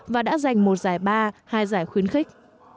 và đã giành một giải ba hai giải khuyến khích